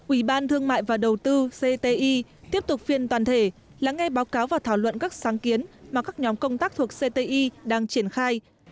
ủy ban thương mại và đầu tư cti tiếp tục phiên toàn thể lắng nghe báo cáo và thảo luận các sáng kiến mà các nhóm công tác thuộc cti đang triển khai